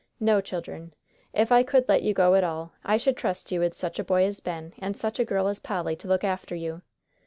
"No, children, if I could let you go at all, I should trust you with such a boy as Ben, and such a girl as Polly, to look after you."